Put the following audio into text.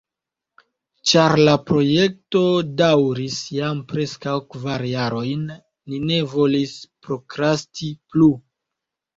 Ĉar la projekto daŭris jam preskaŭ kvar jarojn, ni ne volis prokrasti plu.